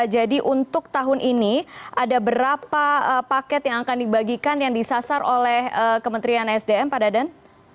jadi untuk tahun ini ada berapa paket yang akan dibagikan yang disasar oleh kementerian sdm pak dadan